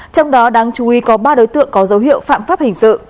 trong đó đáng chú ý có ba đối tượng có dấu hiệu phạm pháp hình sự